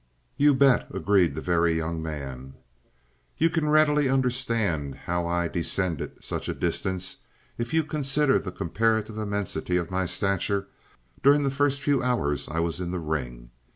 "You bet!" agreed the Very Young Man. "You can readily understand how I descended such a distance, if you consider the comparative immensity of my stature during the first few hours I was in the ring.